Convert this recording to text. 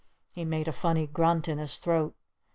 He made a funny grunt in his throat.